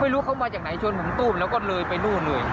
ไม่รู้เขามาจากไหนชนผมตู้มแล้วก็เลยไปนู่นเลย